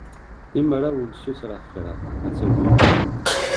Lemmer ad wen-ssutreɣ kra ad tagim?